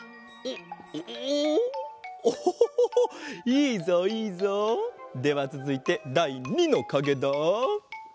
いいぞいいぞ。ではつづいてだい２のかげだ！